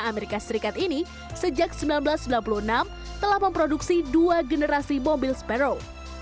amerika serikat ini sejak seribu sembilan ratus sembilan puluh enam telah memproduksi dua generasi mobil sparrow